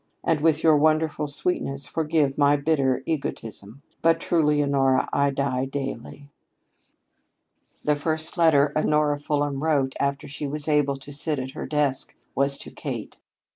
And with your wonderful sweetness forgive my bitter egotism. But truly, Honora, I die daily." The first letter Honora Fulham wrote after she was able to sit at her desk was to Kate.